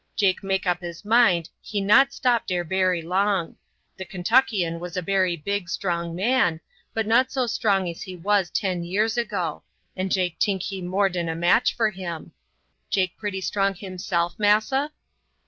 Jake make up his mind he not stop dere bery long. De Kentuckian was a bery big, strong man, but not so strong as he was ten years ago, and Jake tink he more dan a match for him. Jake pretty strong himself, massa?"